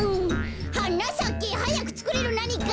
「はなさけはやくつくれるなにか」